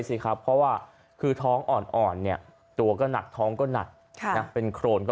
สิครับเพราะว่าคือท้องอ่อนเนี่ยตัวก็หนักท้องก็หนักเป็นโครนก็